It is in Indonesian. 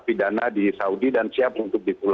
tidak ada yang berpikir pikir tidak ada yang berpikir pikir